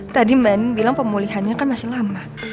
tadi mbak nin bilang pemulihannya kan masih lama